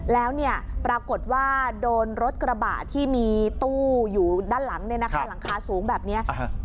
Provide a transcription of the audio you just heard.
แล้วปรากฏว่าโดนรถกระบะที่มีตู้อยู่ด้านหลังคาสูงแบบนี้